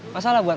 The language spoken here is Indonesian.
masalah buat lo